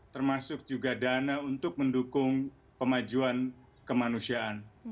termasuk juga dana untuk mendukung pemajuan kemanusiaan